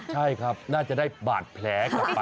ใช่ครับน่าจะได้บาดแผลกลับไป